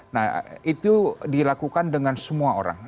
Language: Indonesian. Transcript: nah itu dilakukan dengan semua orang